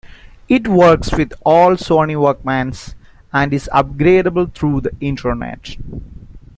It works with all Sony Walkmans, and is upgradable through the internet.